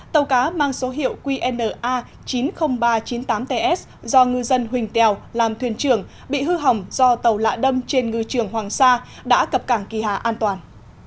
tàu cá mang số hiệu qna chín mươi nghìn ba trăm chín mươi tám ts do ngư dân huỳnh tèo làm thuyền trưởng bị hư hỏng do tàu lạ đâm trên ngư trường hoàng sa đã cập cảng kỳ hà an toàn